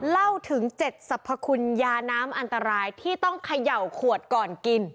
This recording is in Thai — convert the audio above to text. เล่าถึง๗สรรพคุณยาน้ำอันตรายที่ต้องเขย่าขวดก่อนกิน